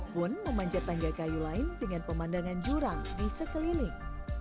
pun memanjat tangga kayu lain dengan pemandangan jurang di sekeliling